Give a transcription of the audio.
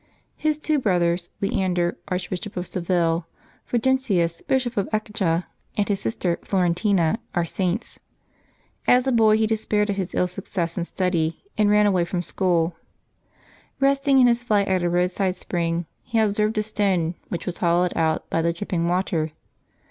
His two brothers, Leander, Archbishop of Seville, Fulgentius, Bishop of Ecija, and his sister Floren tina, are Saints. As a boy he despaired at his ill success in study, and ran away from school. Eesting in his flight at a roadside spring, he observed a stone, which was hollowed out by the dripping water.